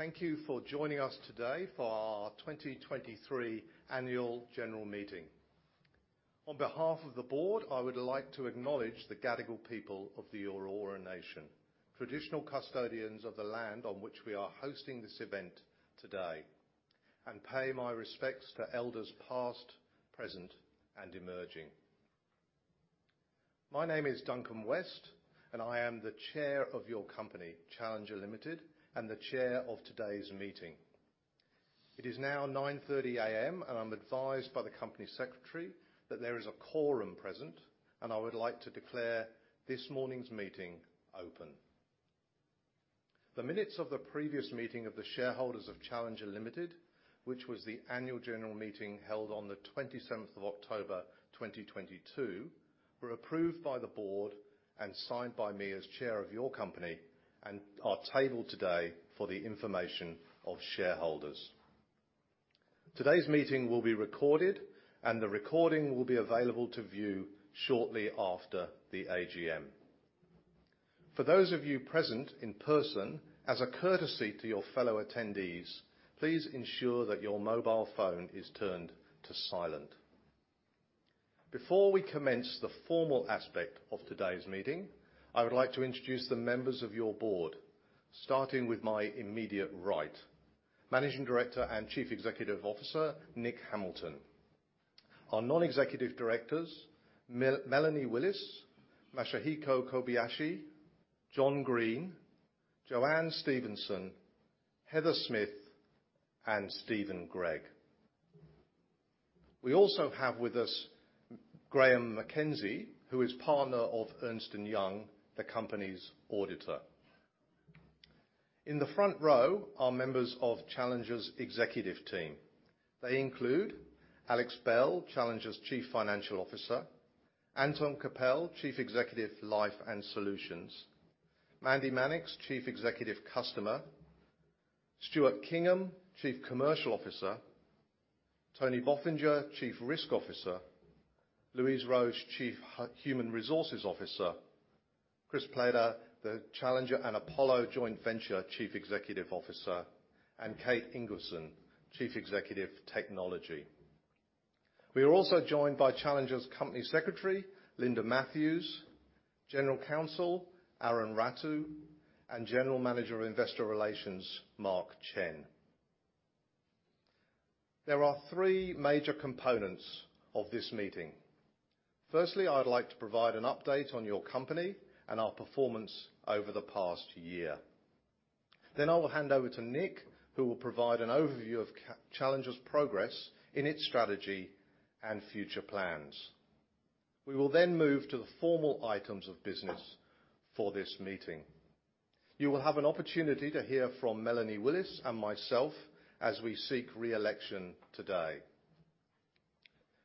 Good morning. Thank you for joining us today for our 2023 Annual General Meeting. On behalf of the Board, I would like to acknowledge the Gadigal people of the Eora Nation, traditional custodians of the land on which we are hosting this event today, and pay my respects to elders past, present, and emerging. My name is Duncan West, and I am the Chair of your company, Challenger Limited, and the Chair of today's meeting. It is now 9:30A.M., and I'm advised by the Company Secretary that there is a quorum present, and I would like to declare this morning's meeting open. The minutes of the previous meeting of the shareholders of Challenger Limited, which was the Annual General Meeting held on the 27th of October, 2022, were approved by the Board and signed by me as Chair of your Company, and are tabled today for the information of shareholders. Today's meeting will be recorded, and the recording will be available to view shortly after the AGM. For those of you present in person, as a courtesy to your fellow attendees, please ensure that your cell phone is turned to silent. Before we commence the formal aspect of today's meeting, I would like to introduce the members of your Board, starting with my immediate right, Managing Director and Chief Executive Officer, Nick Hamilton. Our Non-Executive Directors, Melanie Willis, Masahiko Kobayashi, John Green, JoAnne Stephenson, Heather Smith, and Stephen Gregg. We also have with us Graeme McKenzie, who is partner of Ernst & Young, the Company's Auditor. In the front row are members of Challenger's Executive Team. They include Alex Bell, Challenger's Chief Financial Officer, Anton Kapel, Chief Executive, Life and Solutions, Mandy Mannix, Chief Executive, Customer, Stuart Kingham, Chief Commercial Officer, Tony Bofinger, Chief Risk Officer, Louise Roche, Chief Human Resources Officer, Chris Plater, the Challenger and Apollo Joint Venture Chief Executive Officer, and Kate Ingerson, Chief Executive, Technology. We are also joined by Challenger's Company Secretary, Linda Matthews, General Counsel, Aron Rattue, and General Manager of Investor Relations, Mark Chen. There are three major components of this meeting. Firstly, I'd like to provide an update on your company and our performance over the past year. Then I will hand over to Nick, who will provide an overview of Challenger's progress in its strategy and future plans. We will then move to the formal items of business for this meeting. You will have an opportunity to hear from Melanie Willis and myself as we seek re-election today.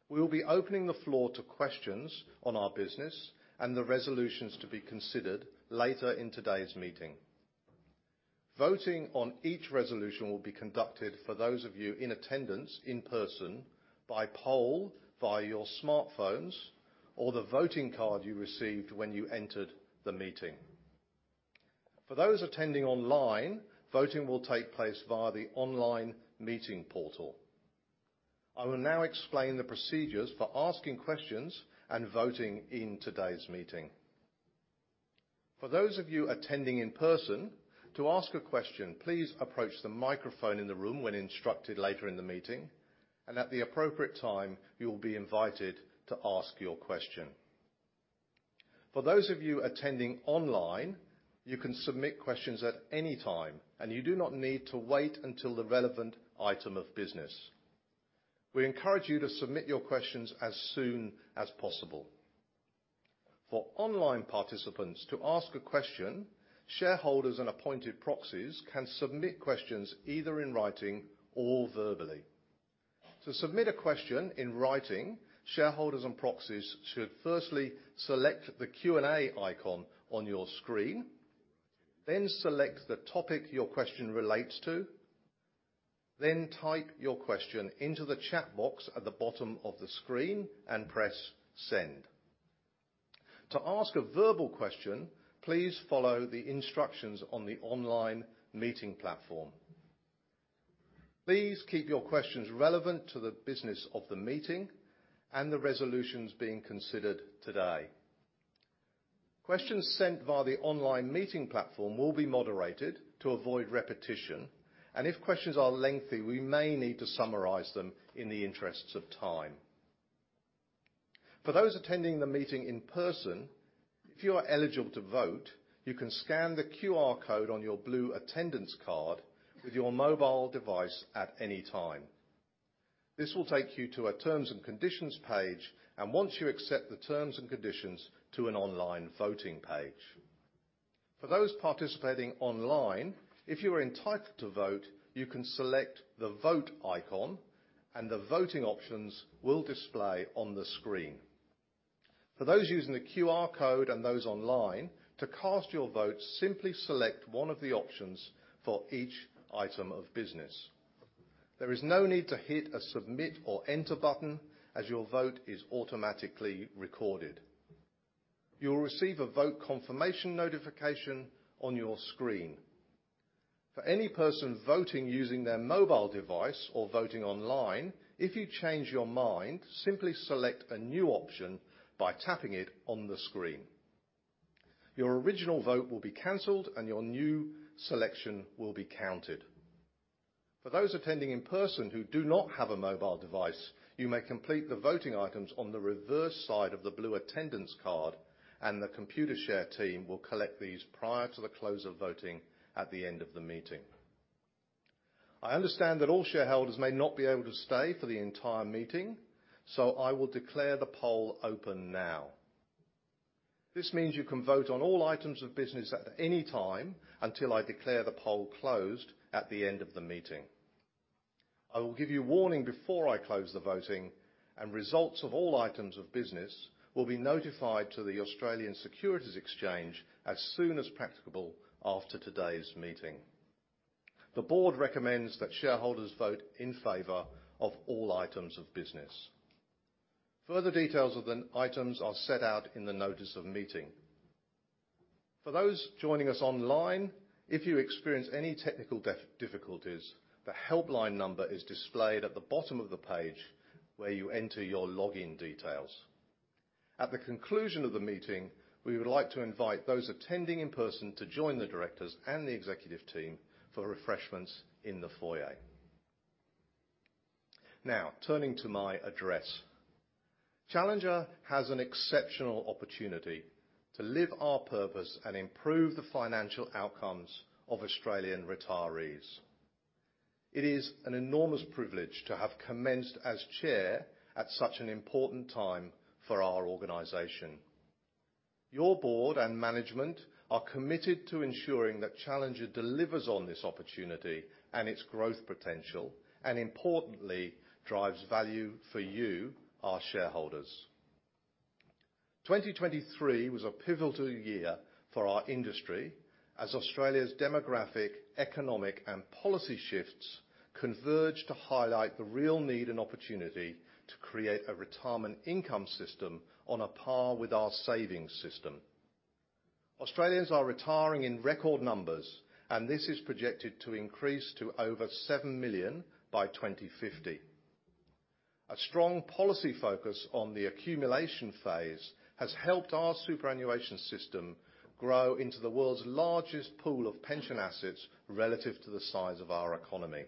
We will be opening the floor to questions on our business and the resolutions to be considered later in today's meeting. Voting on each resolution will be conducted for those of you in attendance in person, by poll, via your smartphones, or the voting card you received when you entered the meeting. For those attending online, voting will take place via the online meeting portal. I will now explain the procedures for asking questions and voting in today's meeting. For those of you attending in person, to ask a question, please approach the microphone in the room when instructed later in the meeting, and at the appropriate time, you will be invited to ask your question. For those of you attending online, you can submit questions at any time, and you do not need to wait until the relevant item of business. We encourage you to submit your questions as soon as possible. For online participants, to ask a question, shareholders and appointed proxies can submit questions either in writing or verbally. To submit a question in writing, shareholders and proxies should firstly select the Q&A icon on your screen, then select the topic your question relates to, then type your question into the chat box at the bottom of the screen and press Send. To ask a verbal question, please follow the instructions on the online meeting platform. Please keep your questions relevant to the business of the meeting and the resolutions being considered today. Questions sent via the online meeting platform will be moderated to avoid repetition, and if questions are lengthy, we may need to summarize them in the interests of time. For those attending the meeting in person, if you are eligible to vote, you can scan the QR code on your blue attendance card with your mobile device at any time. This will take you to a terms and conditions page, and once you accept the terms and conditions, to an online voting page. For those participating online, if you are entitled to vote, you can select the Vote icon, and the voting options will display on the screen. For those using the QR code and those online, to cast your vote, simply select one of the options for each item of business. There is no need to hit a submit or enter button, as your vote is automatically recorded.... You will receive a vote confirmation notification on your screen. For any person voting using their mobile device or voting online, if you change your mind, simply select a new option by tapping it on the screen. Your original vote will be canceled, and your new selection will be counted. For those attending in person who do not have a mobile device, you may complete the voting items on the reverse side of the blue attendance card, and the Computershare team will collect these prior to the close of voting at the end of the meeting. I understand that all shareholders may not be able to stay for the entire meeting, so I will declare the poll open now. This means you can vote on all items of business at any time until I declare the poll closed at the end of the meeting. I will give you a warning before I close the voting, and results of all items of business will be notified to the Australian Securities Exchange as soon as practicable after today's meeting. The Board recommends that shareholders vote in favor of all items of business. Further details of the items are set out in the notice of meeting. For those joining us online, if you experience any technical difficulties, the helpline number is displayed at the bottom of the page where you enter your login details. At the conclusion of the meeting, we would like to invite those attending in person to join the Directors and the executive team for refreshments in the foyer. Now, turning to my address. Challenger has an exceptional opportunity to live our purpose and improve the financial outcomes of Australian retirees. It is an enormous privilege to have commenced as chair at such an important time for our organization. Your Board and management are committed to ensuring that Challenger delivers on this opportunity and its growth potential, and importantly, drives value for you, our shareholders. 2023 was a pivotal year for our industry as Australia's demographic, economic, and policy shifts converged to highlight the real need and opportunity to create a retirement income system on a par with our savings system. Australians are retiring in record numbers, and this is projected to increase to over seven million by 2050. A strong policy focus on the accumulation phase has helped our superannuation system grow into the world's largest pool of pension assets relative to the size of our economy.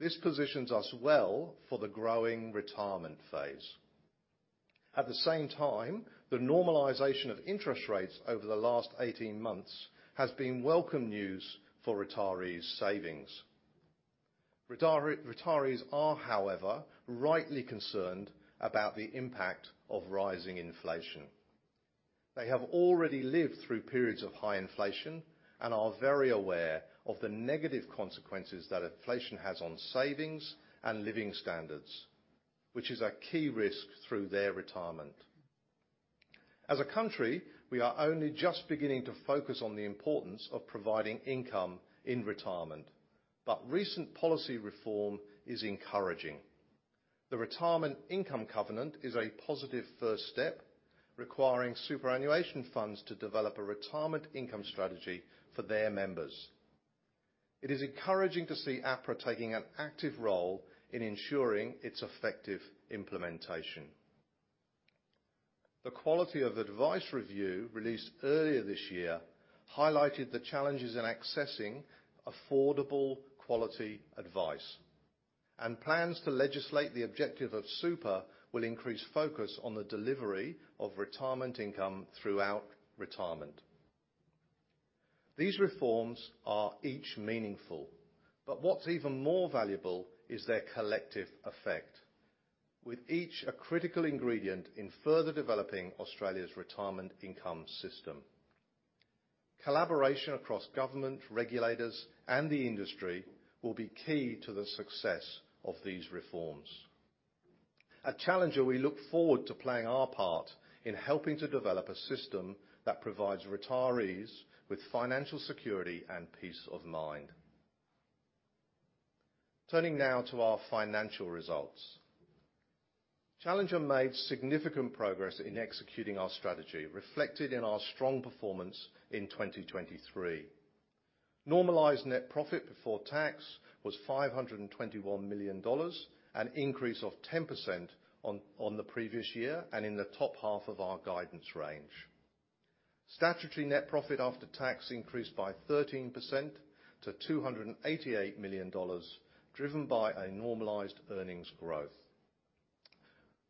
This positions us well for the growing retirement phase. At the same time, the normalization of interest rates over the last 18 months has been welcome news for retirees' savings. Retirees are, however, rightly concerned about the impact of rising inflation. They have already lived through periods of high inflation and are very aware of the negative consequences that inflation has on savings and living standards, which is a key risk through their retirement. As a country, we are only just beginning to focus on the importance of providing income in retirement, but recent policy reform is encouraging. The Retirement Income Covenant is a positive first step, requiring superannuation funds to develop a retirement income strategy for their members. It is encouraging to see APRA taking an active role in ensuring its effective implementation. The Quality of Advice Review, released earlier this year, highlighted the challenges in accessing affordable, quality advice, and plans to legislate the objective of super will increase focus on the delivery of retirement income throughout retirement. These reforms are each meaningful, but what's even more valuable is their collective effect, with each a critical ingredient in further developing Australia's retirement income system. Collaboration across government, regulators, and the industry will be key to the success of these reforms. At Challenger, we look forward to playing our part in helping to develop a system that provides retirees with financial security and peace of mind. Turning now to our financial results. Challenger made significant progress in executing our strategy, reflected in our strong performance in 2023. Normalized net profit before tax was 521 million dollars, an increase of 10% on the previous year, and in the top half of our guidance range. Statutory net profit after tax increased by 13% to 288 million dollars, driven by a normalized earnings growth.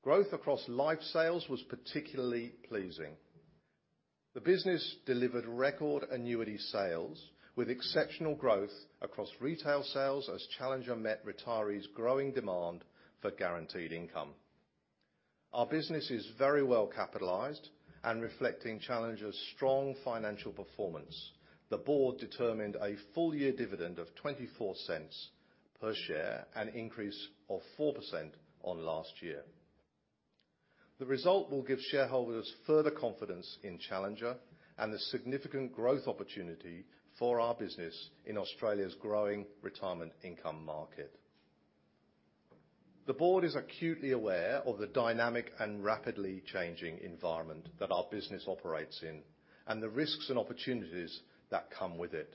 Growth across life sales was particularly pleasing. The business delivered record annuity sales with exceptional growth across retail sales as Challenger met retirees' growing demand for guaranteed income. Our business is very well capitalized and reflecting Challenger's strong financial performance. The Board determined a full year dividend of 0.24 per share, an increase of 4% on last year. The result will give shareholders further confidence in Challenger and the significant growth opportunity for our business in Australia's growing retirement income market.... The Board is acutely aware of the dynamic and rapidly changing environment that our business operates in, and the risks and opportunities that come with it.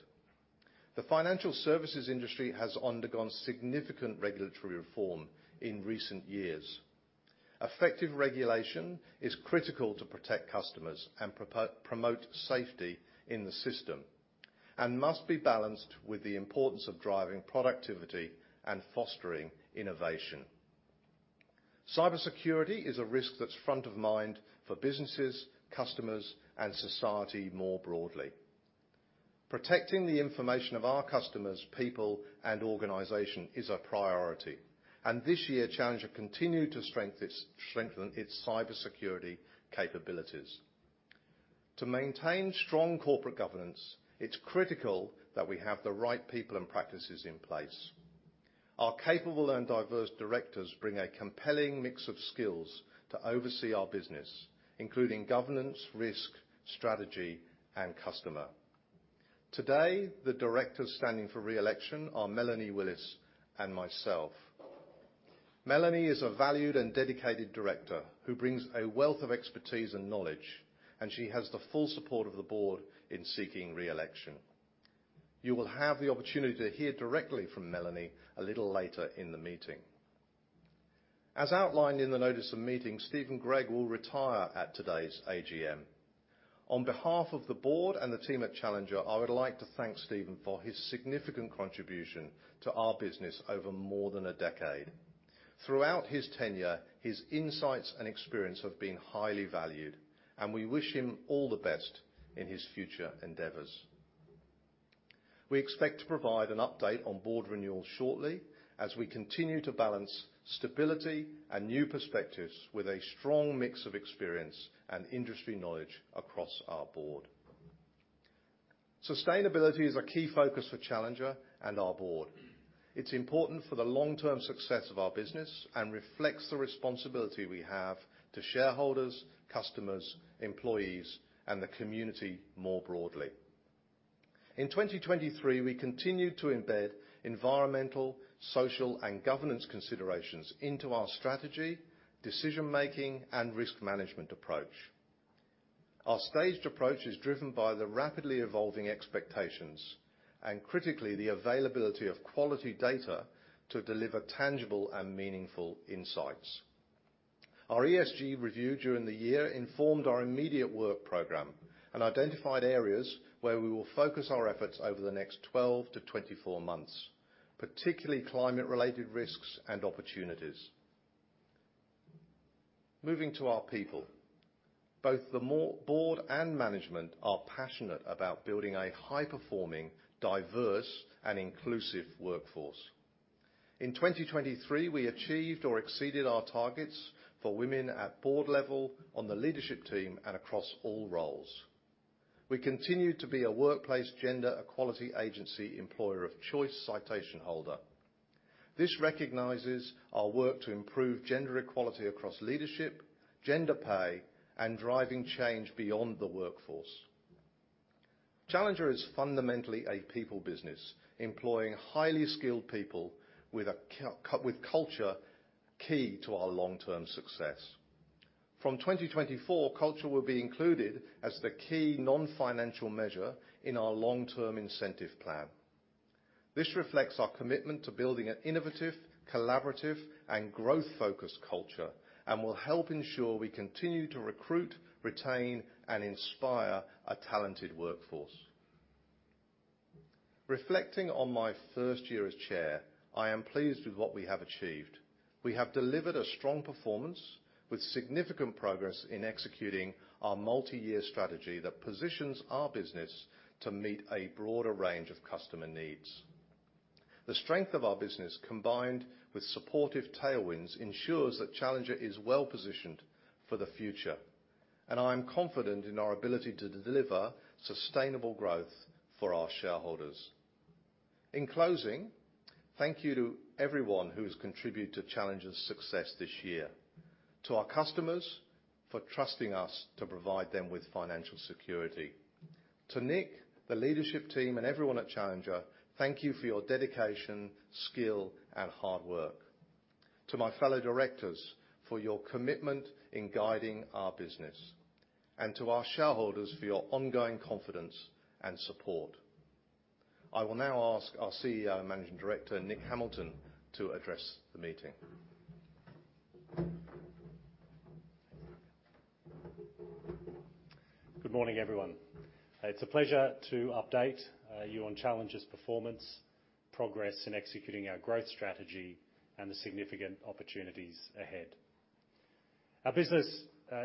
The financial services industry has undergone significant regulatory reform in recent years. Effective regulation is critical to protect customers and promote safety in the system, and must be balanced with the importance of driving productivity and fostering innovation. Cybersecurity is a risk that's front of mind for businesses, customers, and society more broadly. Protecting the information of our customers, people, and organization is a priority, and this year, Challenger continued to strengthen its cybersecurity capabilities. To maintain strong corporate governance, it's critical that we have the right people and practices in place. Our capable and diverse Directors bring a compelling mix of skills to oversee our business, including governance, risk, strategy, and customer. Today, the Directors standing for re-election are Melanie Willis and myself. Melanie is a valued and dedicated Director, who brings a wealth of expertise and knowledge, and she has the full support of the Board in seeking re-election. You will have the opportunity to hear directly from Melanie a little later in the meeting. As outlined in the notice of meeting, Stephen Gregg will retire at today's AGM. On behalf of the Board and the team at Challenger, I would like to thank Stephen for his significant contribution to our business over more than a decade. Throughout his tenure, his insights and experience have been highly valued, and we wish him all the best in his future endeavors. We expect to provide an update on Board renewal shortly, as we continue to balance stability and new perspectives with a strong mix of experience and industry knowledge across our Board. Sustainability is a key focus for Challenger and our Board. It's important for the long-term success of our business and reflects the responsibility we have to shareholders, customers, employees, and the community more broadly. In 2023, we continued to embed environmental, social, and governance considerations into our strategy, decision-making, and risk management approach. Our staged approach is driven by the rapidly evolving expectations, and critically, the availability of quality data to deliver tangible and meaningful insights. Our ESG review during the year informed our immediate work program and identified areas where we will focus our efforts over the next 12-24 months, particularly climate-related risks and opportunities. Moving to our people. Both the Board and management are passionate about building a high-performing, diverse, and inclusive workforce. In 2023, we achieved or exceeded our targets for women at Board level, on the leadership team, and across all roles. We continue to be a workplace gender equality agency employer of choice citation holder. This recognizes our work to improve gender equality across leadership, gender pay, and driving change beyond the workforce. Challenger is fundamentally a people business, employing highly skilled people with culture key to our long-term success. From 2024, culture will be included as the key non-financial measure in our long-term incentive plan. This reflects our commitment to building an innovative, collaborative, and growth-focused culture, and will help ensure we continue to recruit, retain, and inspire a talented workforce. Reflecting on my first year as chair, I am pleased with what we have achieved. We have delivered a strong performance with significant progress in executing our multi-year strategy that positions our business to meet a broader range of customer needs. The strength of our business, combined with supportive tailwinds, ensures that Challenger is well-positioned for the future, and I am confident in our ability to deliver sustainable growth for our shareholders. In closing, thank you to everyone who has contributed to Challenger's success this year. To our customers, for trusting us to provide them with financial security. To Nick, the leadership team, and everyone at Challenger, thank you for your dedication, skill, and hard work. To my fellow Directors, for your commitment in guiding our business, and to our shareholders, for your ongoing confidence and support. I will now ask our CEO and Managing Director, Nick Hamilton, to address the meeting. Good morning, everyone. It's a pleasure to update you on Challenger's performance, progress in executing our growth strategy, and the significant opportunities ahead. Our business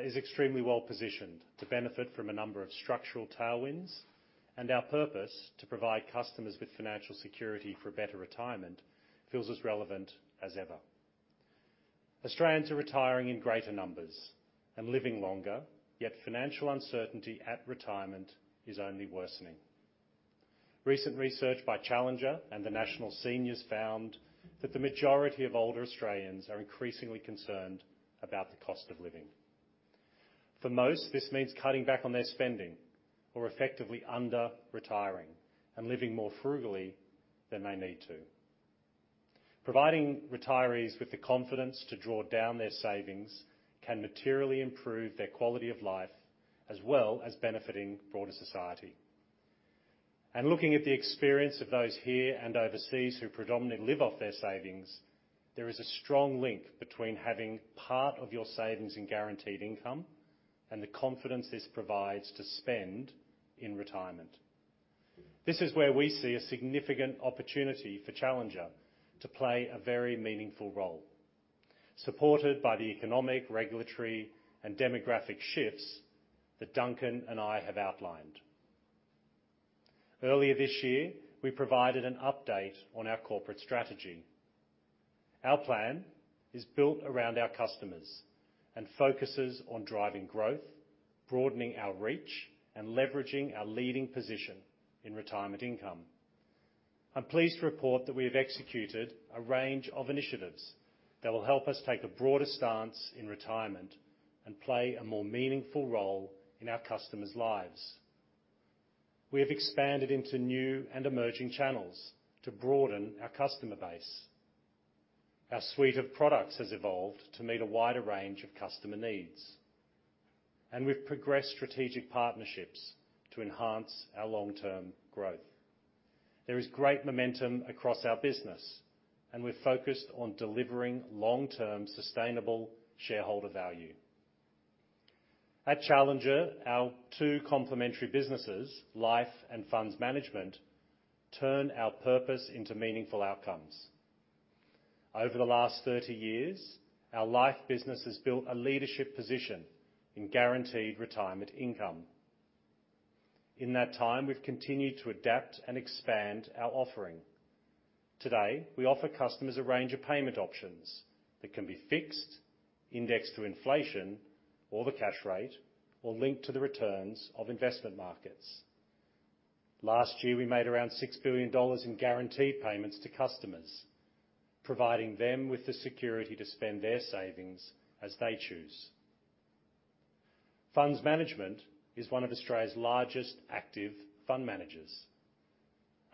is extremely well-positioned to benefit from a number of structural tailwinds, and our purpose, to provide customers with financial security for a better retirement, feels as relevant as ever. Australians are retiring in greater numbers and living longer, yet financial uncertainty at retirement is only worsening. Recent research by Challenger and the National Seniors found that the majority of older Australians are increasingly concerned about the cost of living. For most, this means cutting back on their spending or effectively under retiring and living more frugally than they need to. Providing retirees with the confidence to draw down their savings can materially improve their quality of life, as well as benefiting broader society. Looking at the experience of those here and overseas who predominantly live off their savings, there is a strong link between having part of your savings in guaranteed income and the confidence this provides to spend in retirement. This is where we see a significant opportunity for Challenger to play a very meaningful role, supported by the economic, regulatory, and demographic shifts that Duncan and I have outlined. Earlier this year, we provided an update on our corporate strategy. Our plan is built around our customers and focuses on driving growth, broadening our reach, and leveraging our leading position in retirement income. I'm pleased to report that we have executed a range of initiatives that will help us take a broader stance in retirement and play a more meaningful role in our customers' lives. We have expanded into new and emerging channels to broaden our customer base. Our suite of products has evolved to meet a wider range of customer needs, and we've progressed strategic partnerships to enhance our long-term growth. There is great momentum across our business, and we're focused on delivering long-term, sustainable shareholder value. At Challenger, our two complementary businesses, Life and Funds Management, turn our purpose into meaningful outcomes. Over the last 30 years, our life business has built a leadership position in guaranteed retirement income. In that time, we've continued to adapt and expand our offering. Today, we offer customers a range of payment options that can be fixed, indexed to inflation or the cash rate, or linked to the returns of investment markets. Last year, we made around 6 billion dollars in guaranteed payments to customers, providing them with the security to spend their savings as they choose. Funds Management is one of Australia's largest active fund managers.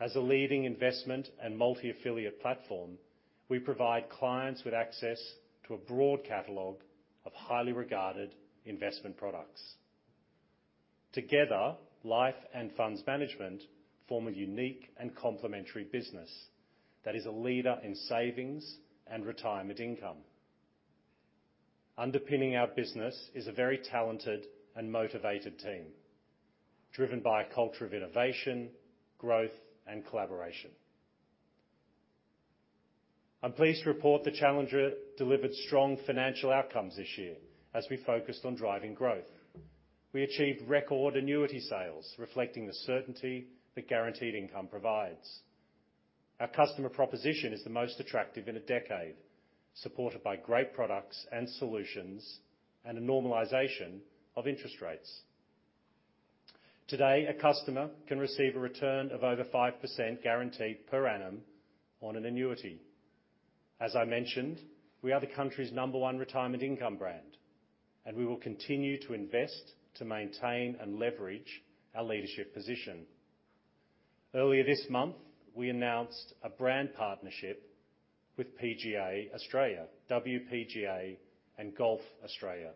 As a leading investment and multi-affiliate platform, we provide clients with access to a broad catalog of highly regarded investment products. Together, Life and Funds Management form a unique and complementary business that is a leader in savings and retirement income. Underpinning our business is a very talented and motivated team, driven by a culture of innovation, growth, and collaboration. I'm pleased to report that Challenger delivered strong financial outcomes this year as we focused on driving growth. We achieved record annuity sales, reflecting the certainty that guaranteed income provides. Our customer proposition is the most attractive in a decade, supported by great products and solutions, and a normalization of interest rates. Today, a customer can receive a return of over 5% guaranteed per annum on an annuity. As I mentioned, we are the country's number one retirement income brand, and we will continue to invest to maintain and leverage our leadership position. Earlier this month, we announced a brand partnership with PGA Australia, WPGA, and Golf Australia.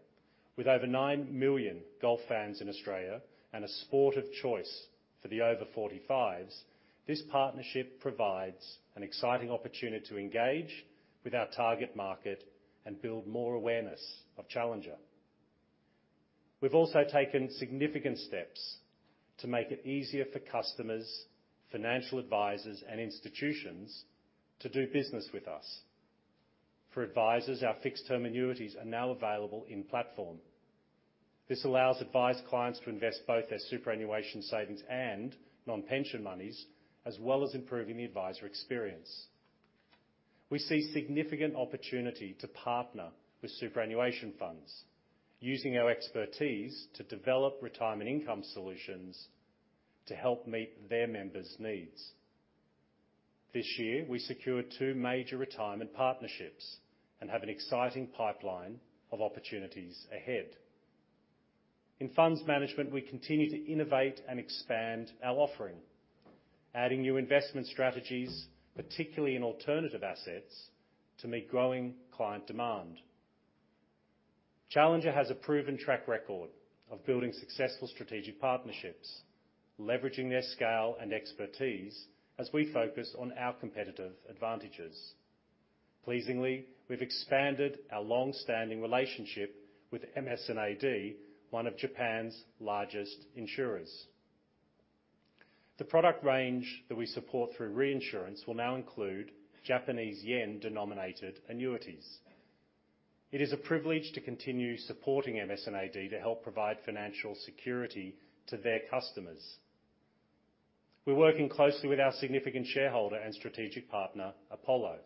With over nine million golf fans in Australia, and a sport of choice for the over 45s, this partnership provides an exciting opportunity to engage with our target market and build more awareness of Challenger. We've also taken significant steps to make it easier for customers, financial advisors, and institutions to do business with us. For advisors, our fixed-term annuities are now available in platform. This allows advised clients to invest both their superannuation savings and non-pension monies, as well as improving the advisor experience. We see significant opportunity to partner with superannuation funds, using our expertise to develop retirement income solutions to help meet their members' needs. This year, we secured two major retirement partnerships and have an exciting pipeline of opportunities ahead. In Funds Management, we continue to innovate and expand our offering, adding new investment strategies, particularly in alternative assets, to meet growing client demand. Challenger has a proven track record of building successful strategic partnerships, leveraging their scale and expertise as we focus on our competitive advantages. Pleasingly, we've expanded our long-standing relationship with MS&AD, one of Japan's largest insurers. The product range that we support through reinsurance will now include Japanese yen-denominated annuities. It is a privilege to continue supporting MS&AD to help provide financial security to their customers. We're working closely with our significant shareholder and strategic partner, Apollo,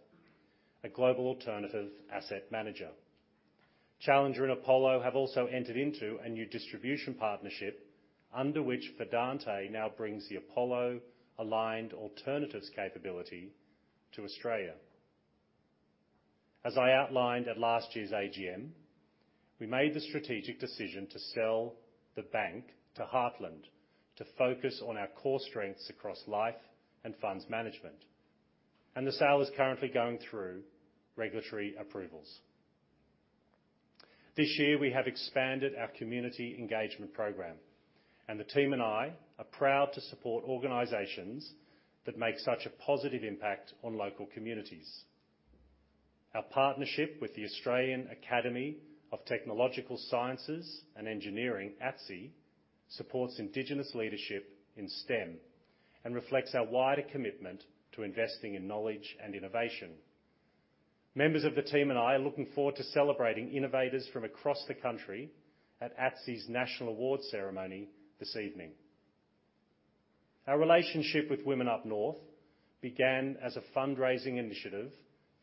a global alternative asset manager. Challenger and Apollo have also entered into a new distribution partnership, under which Fidante now brings the Apollo-aligned alternatives capability to Australia... As I outlined at last year's AGM, we made the strategic decision to sell the bank to Heartland to focus on our core strengths across life and funds management, and the sale is currently going through regulatory approvals. This year, we have expanded our community engagement program, and the team and I are proud to support organizations that make such a positive impact on local communities. Our partnership with the Australian Academy of Technological Sciences and Engineering, ATSE, supports indigenous leadership in STEM and reflects our wider commitment to investing in knowledge and innovation. Members of the team and I are looking forward to celebrating innovators from across the country at ATSE's National Awards ceremony this evening. Our relationship with Women Up North began as a fundraising initiative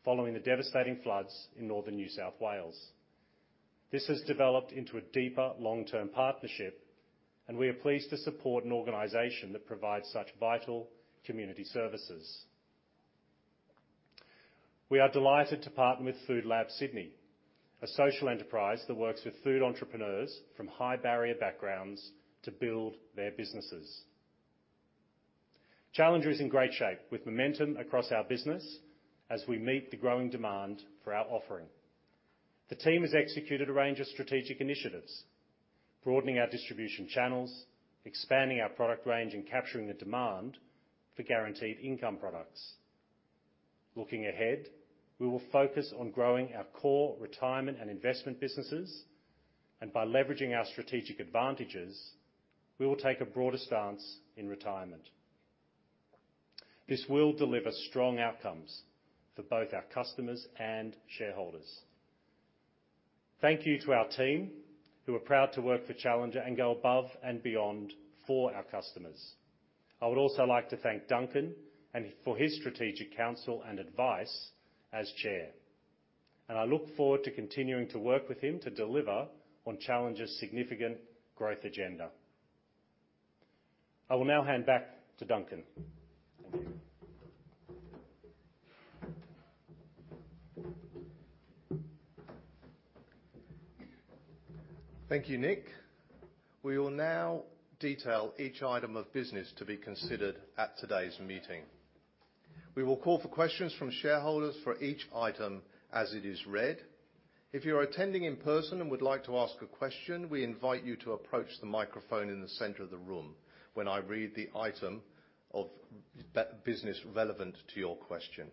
following the devastating floods in northern New South Wales. This has developed into a deeper, long-term partnership, and we are pleased to support an organization that provides such vital community services. We are delighted to partner with FoodLab Sydney, a social enterprise that works with food entrepreneurs from high-barrier backgrounds to build their businesses. Challenger is in great shape, with momentum across our business as we meet the growing demand for our offering. The team has executed a range of strategic initiatives, broadening our distribution channels, expanding our product range, and capturing the demand for guaranteed income products. Looking ahead, we will focus on growing our core retirement and investment businesses, and by leveraging our strategic advantages, we will take a broader stance in retirement. This will deliver strong outcomes for both our customers and shareholders. Thank you to our team, who are proud to work for Challenger and go above and beyond for our customers. I would also like to thank Duncan for his strategic counsel and advice as Chair, and I look forward to continuing to work with him to deliver on Challenger's significant growth agenda. I will now hand back to Duncan. Thank you. Thank you, Nick. We will now detail each item of business to be considered at today's meeting. We will call for questions from shareholders for each item as it is read. If you are attending in person and would like to ask a question, we invite you to approach the microphone in the center of the room when I read the item of business relevant to your question.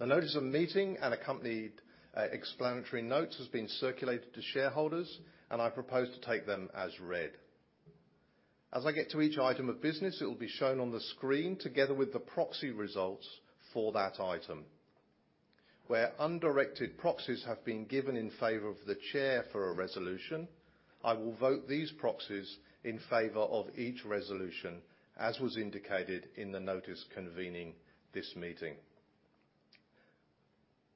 The notice of the meeting and accompanying explanatory notes has been circulated to shareholders, and I propose to take them as read. As I get to each item of business, it will be shown on the screen together with the proxy results for that item. Where undirected proxies have been given in favor of the chair for a resolution, I will vote these proxies in favor of each resolution, as was indicated in the notice convening this meeting.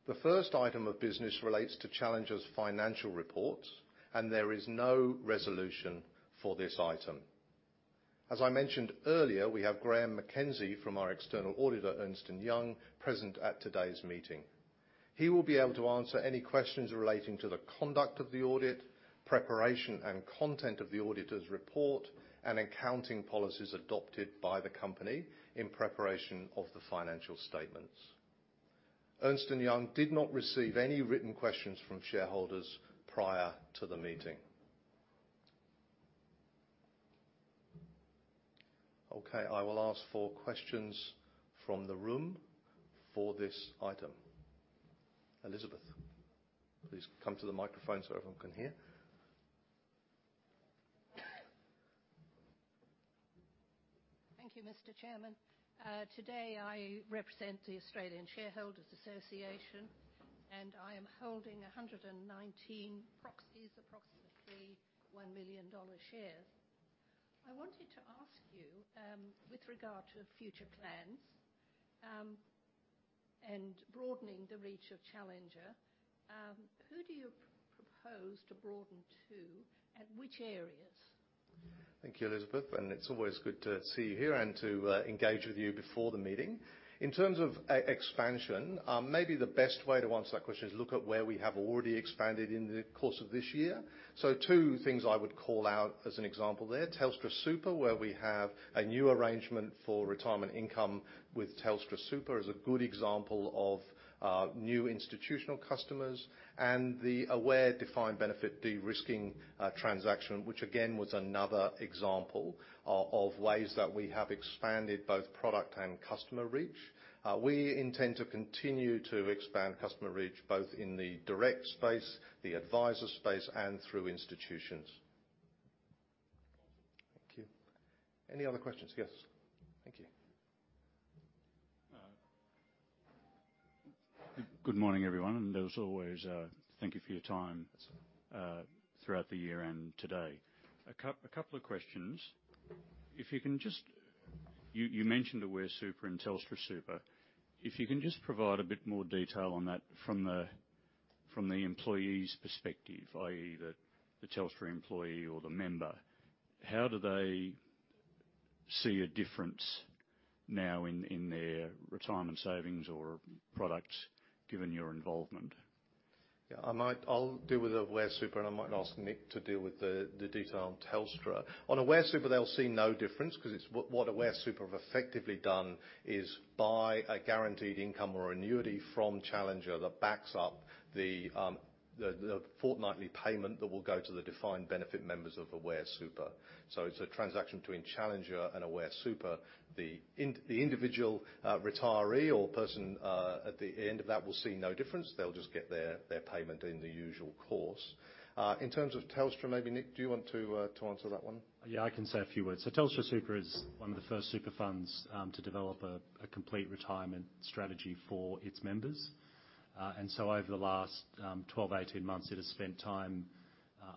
The first item of business relates to Challenger's financial reports, and there is no resolution for this item. As I mentioned earlier, we have Graham Mackenzie from our external auditor, Ernst & Young, present at today's meeting. He will be able to answer any questions relating to the conduct of the audit, preparation and content of the auditor's report, and accounting policies adopted by the company in preparation of the financial statements. Ernst & Young did not receive any written questions from shareholders prior to the meeting. Okay, I will ask for questions from the room for this item. Elizabeth, please come to the microphone so everyone can hear. Thank you, Mr. Chairman. Today, I represent the Australian Shareholders Association, and I am holding 119 proxies, approximately AUD 1 million shares. I wanted to ask you, with regard to future plans, and broadening the reach of Challenger, who do you propose to broaden to, and which areas? Thank you, Elizabeth, and it's always good to see you here and to engage with you before the meeting. In terms of expansion, maybe the best way to answer that question is look at where we have already expanded in the course of this year. So two things I would call out as an example there, TelstraSuper, where we have a new arrangement for retirement income with TelstraSuper, is a good example of new institutional customers, and the Aware defined benefit de-risking transaction, which again, was another example of ways that we have expanded both product and customer reach. We intend to continue to expand customer reach both in the direct space, the advisor space, and through institutions. Thank you. Any other questions? Yes. Thank you. Good morning, everyone, and as always, thank you for your time throughout the year and today. A couple of questions: if you can just... You mentioned Aware Super and TelstraSuper. If you can just provide a bit more detail on that from the employee's perspective, i.e., the Telstra employee or the member, how do they see a difference now in their retirement savings or products, given your involvement? Yeah, I might, I'll deal with Aware Super, and I might ask Nick to deal with the detail on Telstra. On Aware Super, they'll see no difference, 'cause it's what Aware Super have effectively done is buy a guaranteed income or annuity from Challenger that backs up the fortnightly payment that will go to the defined benefit members of Aware Super. So it's a transaction between Challenger and Aware Super. The individual retiree or person at the end of that will see no difference. They'll just get their payment in the usual course. In terms of Telstra, maybe, Nick, do you want to answer that one? Yeah, I can say a few words. So TelstraSuper is one of the first super funds to develop a complete retirement strategy for its members. And so over the last 12-18 months, it has spent time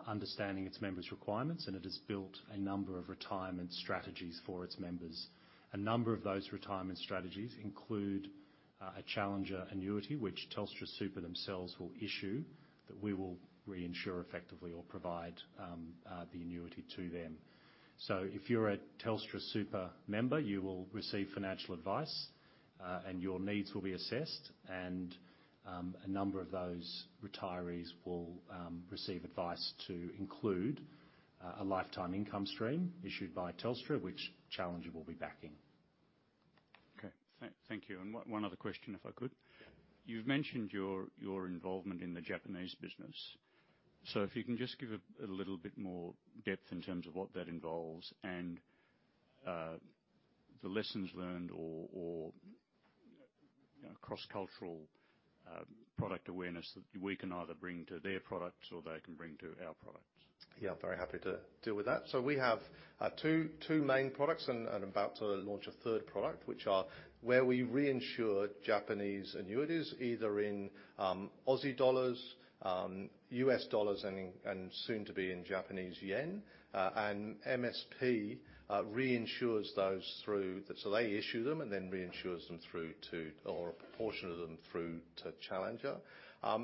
understanding its members' requirements, and it has built a number of retirement strategies for its members. A number of those retirement strategies include a Challenger annuity, which TelstraSuper themselves will issue, that we will reinsure effectively or provide the annuity to them. So if you're a TelstraSuper member, you will receive financial advice, and your needs will be assessed, and a number of those retirees will receive advice to include a lifetime income stream issued by Telstra, which Challenger will be backing. Okay. Thank you. And one other question, if I could. Yeah. You've mentioned your involvement in the Japanese business. So if you can just give a little bit more depth in terms of what that involves and the lessons learned or you know cross-cultural product awareness that we can either bring to their products or they can bring to our products. Yeah, very happy to deal with that. So we have two main products and about to launch a third product, which are where we reinsure Japanese annuities, either in AUD, USD, and soon to be in JPY. And MSP reinsures those through the... So they issue them, and then reinsures them through to, or a proportion of them, through to Challenger.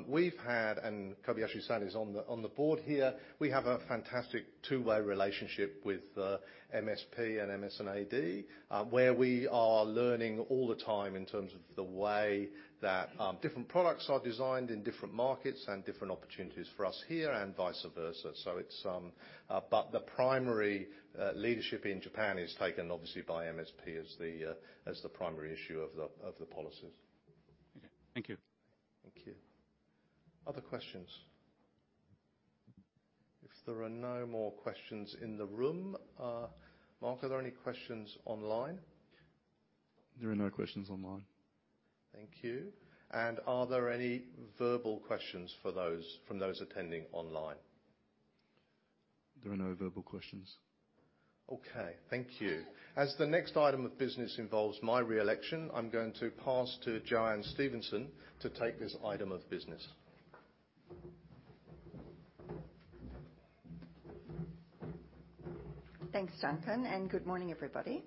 We've had, and Kobayashi San is on the Board here, we have a fantastic two-way relationship with MSP and MS&AD, where we are learning all the time in terms of the way that different products are designed in different markets and different opportunities for us here, and vice versa. So it's... But the primary leadership in Japan is taken obviously by MSP as the primary issuer of the policies. Thank you. Thank you. Other questions? If there are no more questions in the room, Mark, are there any questions online? There are no questions online. Thank you. Are there any verbal questions for those, from those attending online? There are no verbal questions. Okay. Thank you. As the next item of business involves my re-election, I'm going to pass to JoAnne Stephenson to take this item of business. Thanks, Duncan, and good morning, everybody.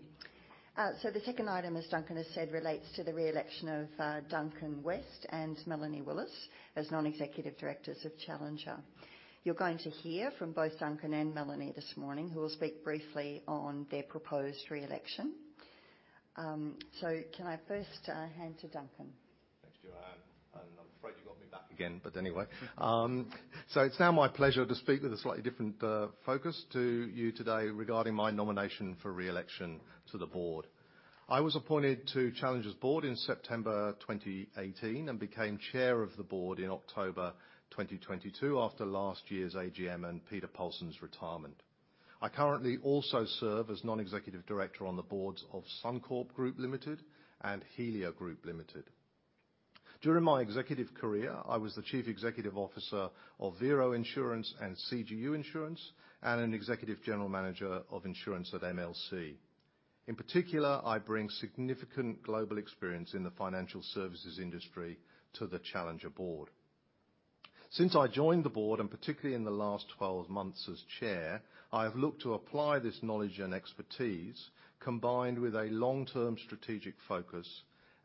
So the second item, as Duncan has said, relates to the re-election of Duncan West and Melanie Willis as Non-Executive Directors of Challenger. You're going to hear from both Duncan and Melanie this morning, who will speak briefly on their proposed re-election. So can I first hand to Duncan? Thanks, Joanne, and I'm afraid you got me back again, but anyway. So it's now my pleasure to speak with a slightly different focus to you today regarding my nomination for re-election to the Board. I was appointed to Challenger's Board in September 2018, and became Chair of the Board in October 2022, after last year's AGM and Peter Polson's retirement. I currently also serve as non-executive Director on the Boards of Suncorp Group Limited and Helia Group Limited. During my executive career, I was the Chief Executive Officer of Vero Insurance and CGU Insurance, and an Executive General Manager of insurance at MLC. In particular, I bring significant global experience in the financial services industry to the Challenger Board. Since I joined the Board, and particularly in the last 12 months as Chair, I have looked to apply this knowledge and expertise, combined with a long-term strategic focus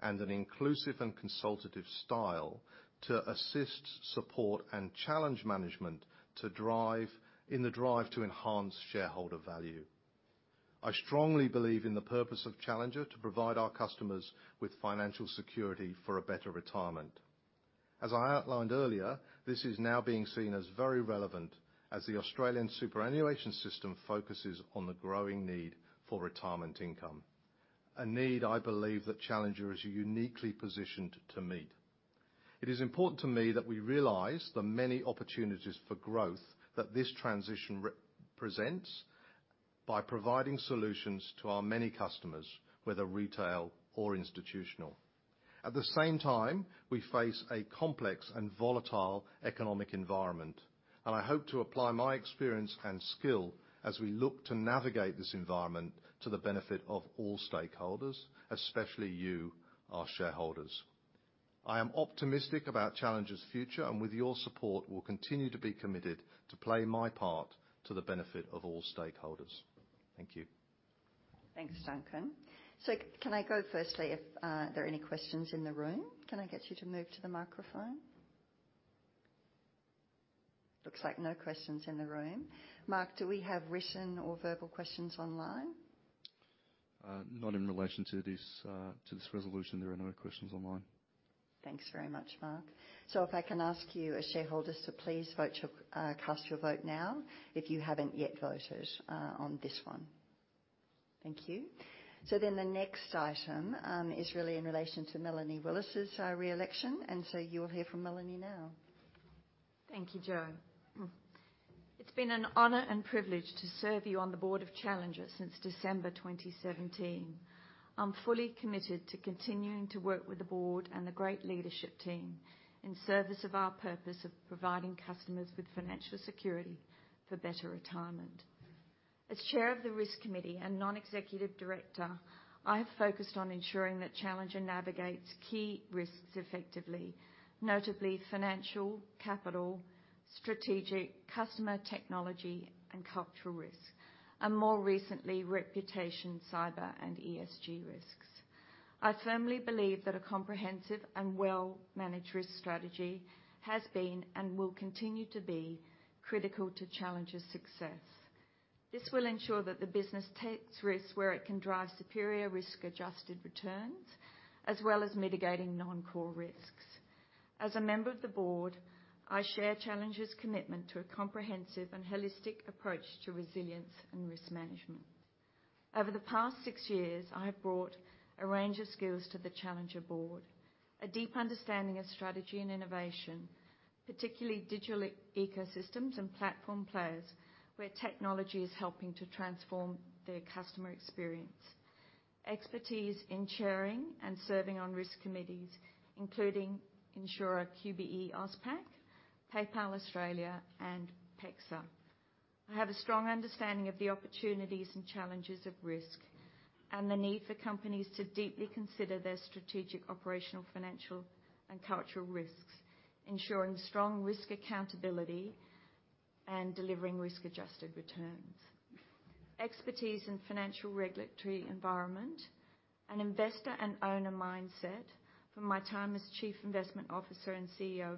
and an inclusive and consultative style, to assist, support, and challenge management to drive to enhance shareholder value. I strongly believe in the purpose of Challenger to provide our customers with financial security for a better retirement. As I outlined earlier, this is now being seen as very relevant as the Australian superannuation system focuses on the growing need for retirement income, a need I believe that Challenger is uniquely positioned to meet. It is important to me that we realize the many opportunities for growth that this transition represents by providing solutions to our many customers, whether retail or institutional. At the same time, we face a complex and volatile economic environment, and I hope to apply my experience and skill as we look to navigate this environment to the benefit of all stakeholders, especially you, our shareholders. I am optimistic about Challenger's future, and with your support, will continue to be committed to play my part to the benefit of all stakeholders. Thank you. Thanks, Duncan. So can I go firstly? If there are any questions in the room, can I get you to move to the microphone? Looks like no questions in the room. Mark, do we have written or verbal questions online? Not in relation to this, to this resolution. There are no questions online. Thanks very much, Mark. So if I can ask you, as shareholders, to please cast your vote now, if you haven't yet voted, on this one. Thank you. So then the next item is really in relation to Melanie Willis's re-election, and so you'll hear from Melanie now. Thank you, Jo. It's been an honor and privilege to serve you on the Board of Challenger since December 2017. I'm fully committed to continuing to work with the Board and the great Leadership Team in service of our purpose of providing customers with financial security for better retirement. As Chair of the risk committee and Non-Executive Director, I have focused on ensuring that Challenger navigates key risks effectively, notably financial, capital, strategic, customer technology, and cultural risk, and more recently, reputation, cyber, and ESG risks. I firmly believe that a comprehensive and well-managed risk strategy has been and will continue to be critical to Challenger's success. This will ensure that the business takes risks where it can drive superior risk-adjusted returns, as well as mitigating non-core risks. As a member of the Board, I share Challenger's commitment to a comprehensive and holistic approach to resilience and risk management. Over the past six years, I have brought a range of skills to the Challenger Board, a deep understanding of strategy and innovation, particularly digital e-ecosystems and platform players, where technology is helping to transform the customer experience. Expertise in chairing and serving on risk committees, including Insurer, QBE AusPac, PayPal Australia, and PEXA. I have a strong understanding of the opportunities and challenges of risk and the need for companies to deeply consider their strategic, operational, financial, and cultural risks, ensuring strong risk accountability and delivering risk-adjusted returns. Expertise in financial regulatory environment, an investor and owner mindset from my time as Chief Investment Officer and CEO,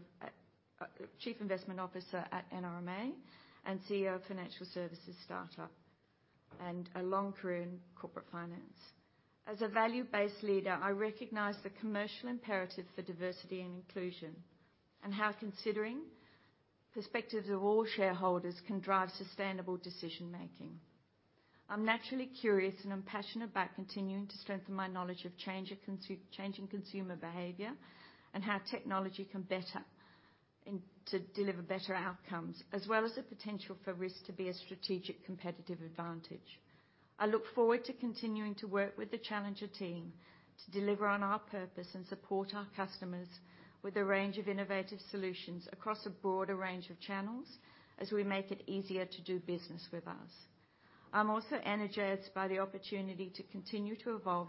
Chief Investment Officer at NRMA and CEO of financial services startup, and a long career in corporate finance. As a value-based leader, I recognize the commercial imperative for diversity and inclusion, and how considering perspectives of all shareholders can drive sustainable decision-making. I'm naturally curious, and I'm passionate about continuing to strengthen my knowledge of changing consumer behavior, and how technology can better and to deliver better outcomes, as well as the potential for risk to be a strategic competitive advantage. I look forward to continuing to work with the Challenger team to deliver on our purpose and support our customers with a range of innovative solutions across a broader range of channels as we make it easier to do business with us. I'm also energized by the opportunity to continue to evolve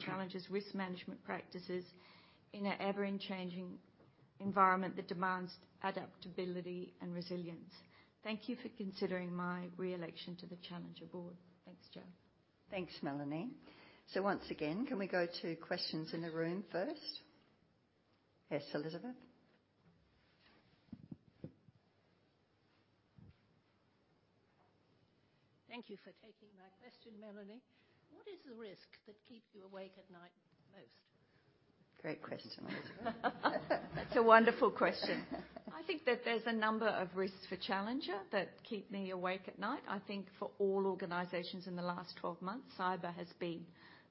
Challenger's risk management practices in an ever-changing environment that demands adaptability and resilience. Thank you for considering my re-election to the Challenger Board. Thanks, Jo. Thanks, Melanie. Once again, can we go to questions in the room first? Yes, Elizabeth. Thank you for taking my question, Melanie. What is the risk that keeps you awake at night the most? Great question, Elizabeth. That's a wonderful question. I think that there's a number of risks for Challenger that keep me awake at night. I think for all organizations in the last 12 months, cyber has been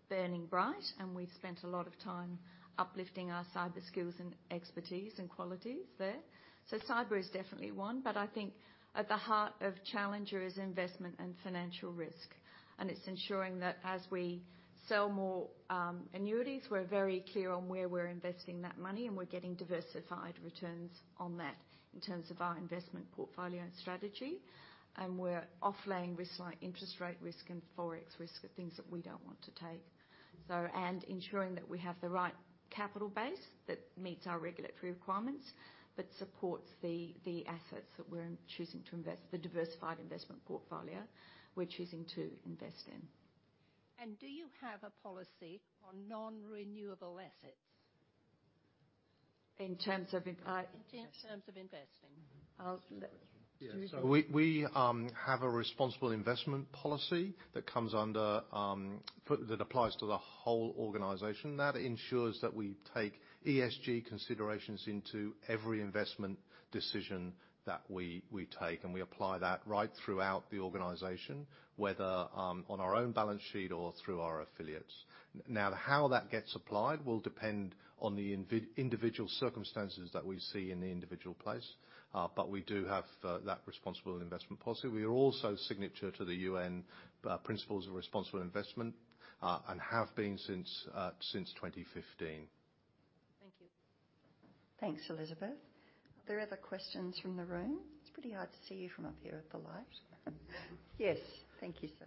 burning bright, and we've spent a lot of time uplifting our cyber skills and expertise and qualities there. So cyber is definitely one, but I think at the heart of Challenger is investment and financial risk, and it's ensuring that as we sell more annuities, we're very clear on where we're investing that money, and we're getting diversified returns on that in terms of our investment portfolio and strategy. And we're off-laying risks like interest rate risk and Forex risk are things that we don't want to take. So, and ensuring that we have the right capital base that meets our regulatory requirements, but supports the assets that we're choosing to invest, the diversified investment portfolio we're choosing to invest in. Do you have a policy on non-renewable assets? In terms of, In terms of investing. I'll let- Yeah. Sorry. We have a responsible investment policy that applies to the whole organization. That ensures that we take ESG considerations into every investment decision that we take, and we apply that right throughout the organization, whether on our own balance sheet or through our affiliates. Now, how that gets applied will depend on the individual circumstances that we see in the individual place, but we do have that responsible investment policy. We are also signatory to the UN Principles of Responsible Investment, and have been since 2015. Thank you. Thanks, Elizabeth. Are there other questions from the room? It's pretty hard to see you from up here with the lights. Yes. Thank you, sir.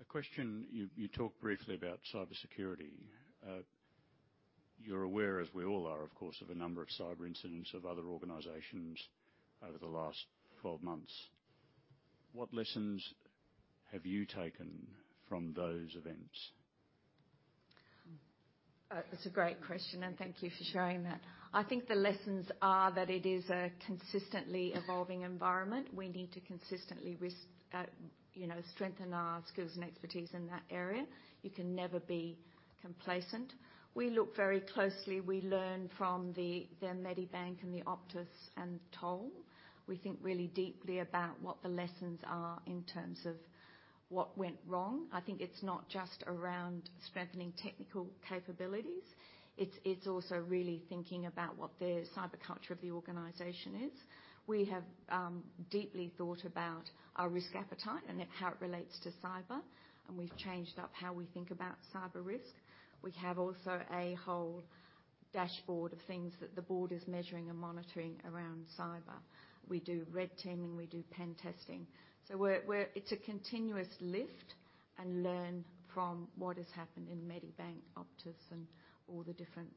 A question: you talked briefly about cybersecurity. You're aware, as we all are, of course, of a number of cyber incidents of other organizations over the last 12 months. What lessons have you taken from those events?... That's a great question, and thank you for sharing that. I think the lessons are that it is a consistently evolving environment. We need to consistently risk, you know, strengthen our skills and expertise in that area. You can never be complacent. We look very closely. We learn from the Medibank and the Optus and Toll. We think really deeply about what the lessons are in terms of what went wrong. I think it's not just around strengthening technical capabilities, it's also really thinking about what the cyber culture of the organization is. We have deeply thought about our risk appetite and how it relates to cyber, and we've changed up how we think about cyber risk. We have also a whole dashboard of things that the Board is measuring and monitoring around cyber. We do red teaming, we do pen testing. So we're, it's a continuous lift and learn from what has happened in Medibank, Optus, and all the different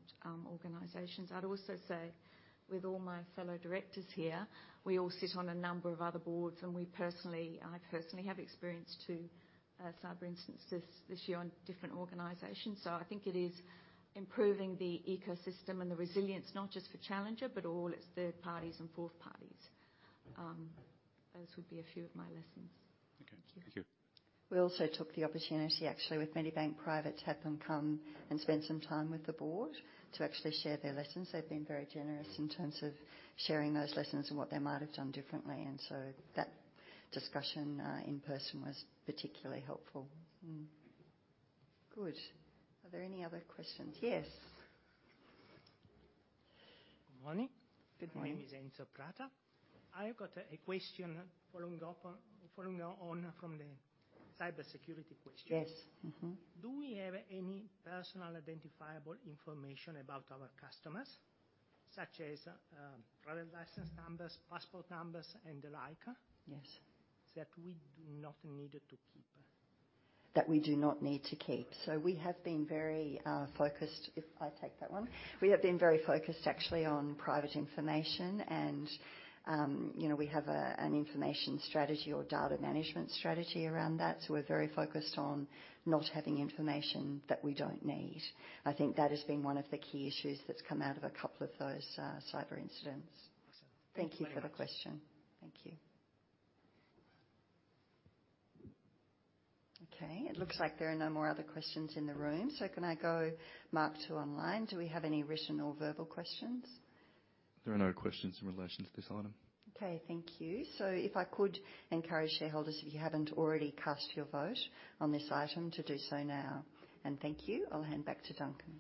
organizations. I'd also say, with all my fellow Directors here, we all sit on a number of other Boards, and we personally... I personally have experience to cyber instances this year on different organizations. So I think it is improving the ecosystem and the resilience, not just for Challenger, but all its third parties and fourth parties. Those would be a few of my lessons. Okay. Thank you. Thank you. We also took the opportunity, actually, with Medibank Private, to have them come and spend some time with the Board to actually share their lessons. They've been very generous in terms of sharing those lessons and what they might have done differently, and so that discussion, in person was particularly helpful. Mm. Good. Are there any other questions? Yes. Good morning. Good morning. My name is Enzo Pratico. I've got a question following up on, following on from the cybersecurity question. Yes. Mm-hmm. Do we have any personal identifiable information about our customers, such as driver license numbers, passport numbers, and the like? Yes. That we do not need to keep? That we do not need to keep. So we have been very focused. If I take that one. We have been very focused, actually, on private information and, you know, we have a, an information strategy or data management strategy around that. So we're very focused on not having information that we don't need. I think that has been one of the key issues that's come out of a couple of those cyber incidents. Awesome. Thank you for the question. Thank you. Okay, it looks like there are no more other questions in the room, so can I go, Mark, to online? Do we have any written or verbal questions? There are no questions in relation to this item. Okay, thank you. So if I could encourage shareholders, if you haven't already cast your vote on this item, to do so now. And thank you. I'll hand back to Duncan.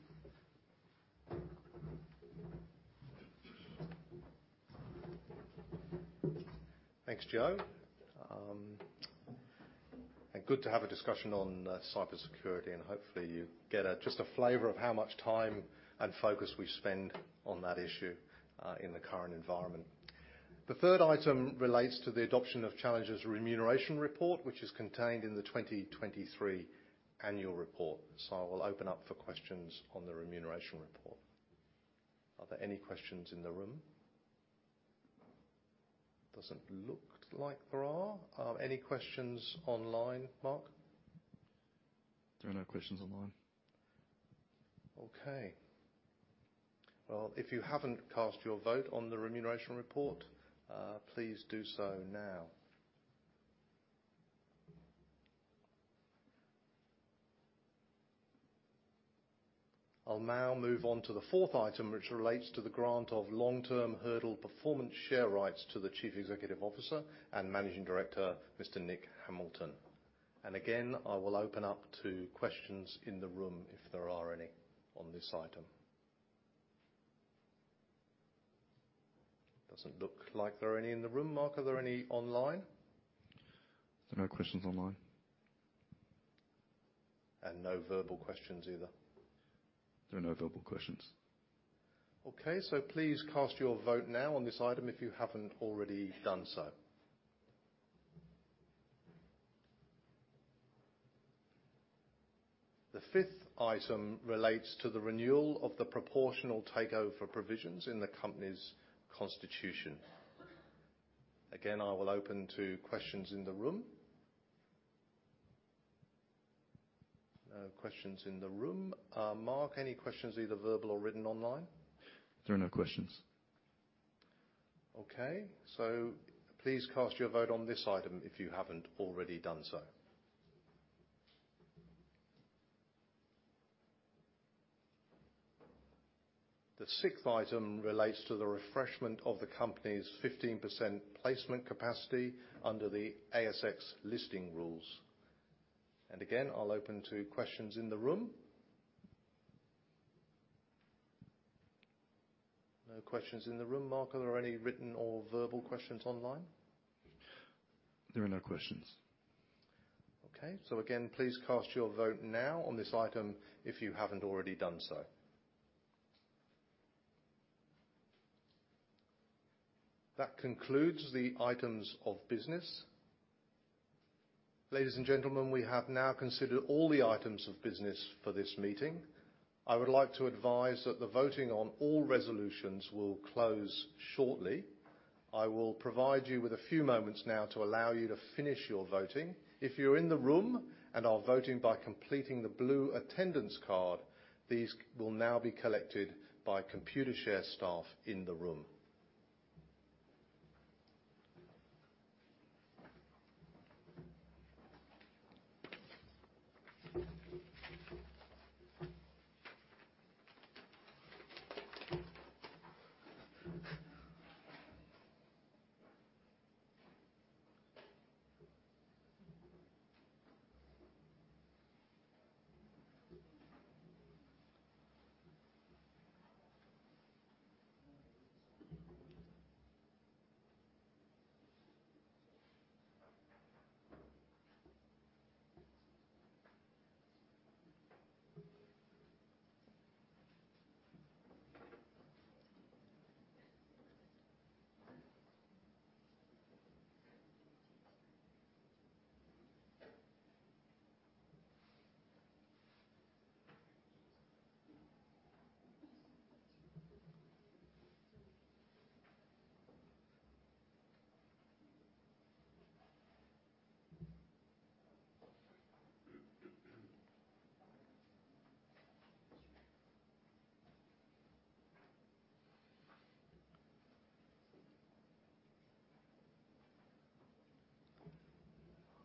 Thanks, Jo. And good to have a discussion on cybersecurity, and hopefully you get just a flavor of how much time and focus we spend on that issue in the current environment. The third item relates to the adoption of Challenger's remuneration report, which is contained in the 2023 annual report. I will open up for questions on the remuneration report. Are there any questions in the room? Doesn't look like there are. Are any questions online, Mark? There are no questions online. Okay. Well, if you haven't cast your vote on the remuneration report, please do so now. I'll now move on to the fourth item, which relates to the grant of long-term hurdle performance share rights to the Chief Executive Officer and Managing Director, Mr. Nick Hamilton. And again, I will open up to questions in the room, if there are any on this item. Doesn't look like there are any in the room. Mark, are there any online? There are no questions online. No verbal questions either? There are no verbal questions. Okay, so please cast your vote now on this item if you haven't already done so. The fifth item relates to the renewal of the proportional takeover provisions in the company's constitution. Again, I will open to questions in the room. No questions in the room. Mark, any questions, either verbal or written online? There are no questions. Okay, so please cast your vote on this item if you haven't already done so. The sixth item relates to the refreshment of the company's 15% placement capacity under the ASX listing rules. Again, I'll open to questions in the room. No questions in the room. Mark, are there any written or verbal questions online? There are no questions. Okay. So again, please cast your vote now on this item if you haven't already done so. That concludes the items of business. Ladies and gentlemen, we have now considered all the items of business for this meeting. I would like to advise that the voting on all resolutions will close shortly... I will provide you with a few moments now to allow you to finish your voting. If you're in the room and are voting by completing the blue attendance card, these will now be collected by Computershare staff in the room.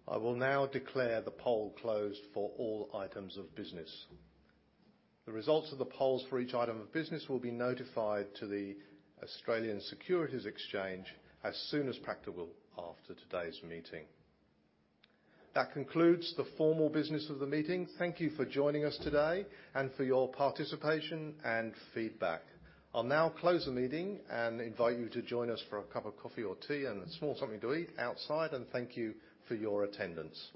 I will now declare the poll closed for all items of business. The results of the polls for each item of business will be notified to the Australian Securities Exchange as soon as practicable after today's meeting. That concludes the formal business of the meeting. Thank you for joining us today, and for your participation and feedback. I'll now close the meeting and invite you to join us for a cup of coffee or tea and a small something to eat outside, and thank you for your attendance.